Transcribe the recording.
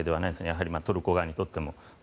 やはりトルコ側にとっても。